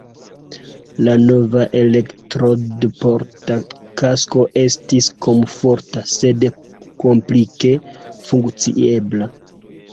La nova elektrodporta kasko estis komforta, sed komplike funkciigebla.